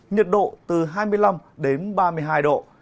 nhiệt độ từ hai mươi năm đến ba mươi hai độ